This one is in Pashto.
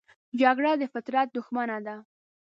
جګړه د فطرت دښمنه ده